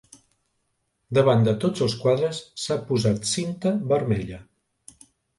Davant de tots els quadres s'ha posat cinta vermella.